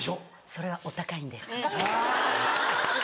それはお高いんですよ。